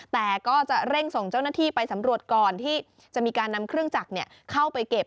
แต่ก็จะเร่งส่งเจ้าหน้าที่ไปสำรวจก่อนที่จะมีการนำเครื่องจักรเข้าไปเก็บ